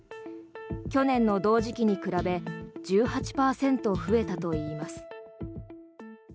去年の同時期に比べ１８％増えたといいます。